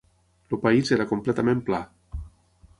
El país era completament pla.